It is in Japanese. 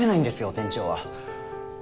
店長は。